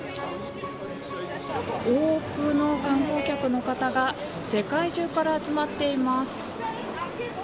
多くの観光客の方が世界中から集まっています。